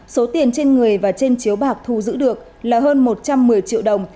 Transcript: số tiền trên người và trên chiếu bạc thu giữ được là hơn một trăm một mươi triệu đồng